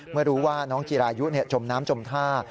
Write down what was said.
เมื่อรู้ว่าน้องจีรายุจมน้ำจมท่า